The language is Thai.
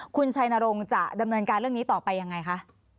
คุณชัยนรงค์จะดำเนินการเรื่องนี้ต่อไปยังไงคะ